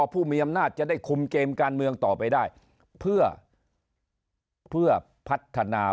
ผู้มีอำนาจจะได้คุมเกมการเมืองต่อไปได้เพื่อพัฒนา